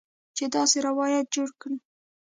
چې داسې روایت جوړ کړي